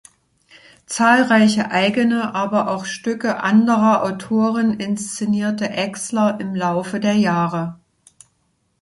Zahlreiche eigene, aber auch Stücke anderer Autoren inszenierte Exler im Laufe der Jahre.